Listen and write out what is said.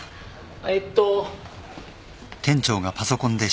えっと。